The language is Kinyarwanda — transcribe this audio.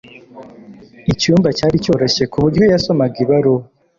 icyumba cyari cyoroshye kuburyo yasomaga ibaruwa